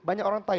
banyak orang tanya